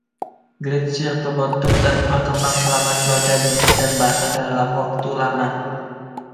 Gletser terbentuk dan berkembang selama cuaca dingin dan basah dalam waktu lama.